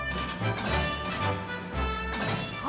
あ！